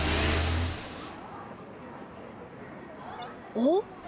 おっ！